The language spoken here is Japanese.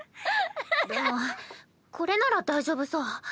でもこれなら大丈夫そう。